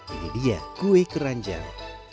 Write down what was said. ini dia kue keranjang